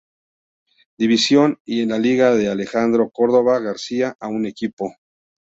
División y en la Liga de Alejandro Córdova García a un equipo.